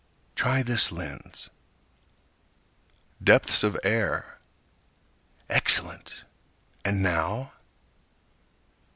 Try this lens. Depths of air. Excellent! And now!